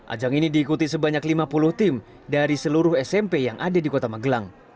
ajang ini diikuti sebanyak lima puluh tim dari seluruh smp yang ada di kota magelang